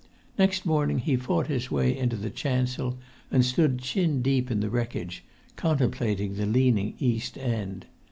Next morning he fought his way into the chancel, and stood chin deep in the wreckage, contemplating the leaning east end.